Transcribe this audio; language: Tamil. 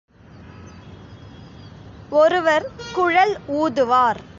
ஒருவர் குழல் ஊதுவார்.